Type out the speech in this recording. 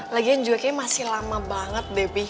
lagian juga kayaknya masih lama banget debbie